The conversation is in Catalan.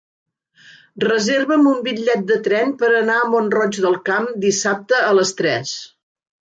Reserva'm un bitllet de tren per anar a Mont-roig del Camp dissabte a les tres.